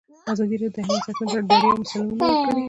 ازادي راډیو د حیوان ساتنه په اړه د بریاوو مثالونه ورکړي.